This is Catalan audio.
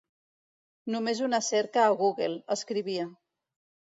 Només una cerca a Google, escrivia.